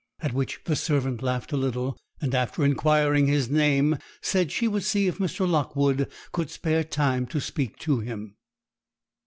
At which the servant laughed a little, and, after inquiring his name, said she would see if Mr. Lockwood could spare time to speak to him.